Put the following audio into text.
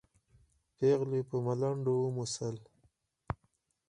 پېغلې په ملنډو وموسل.